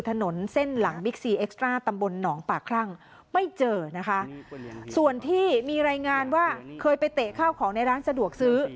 เตะข้าวของในร้านสะดวกซื้อ